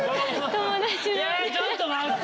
ちょっと待って！